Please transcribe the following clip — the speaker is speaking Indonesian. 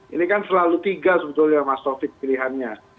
ini kan selalu tiga sebetulnya mas taufik pilihannya